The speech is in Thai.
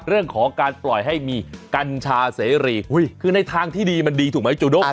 เรื่องของการปล่อยให้มีกัญชาเสรีคือในทางที่ดีมันดีถูกไหมจูด้ง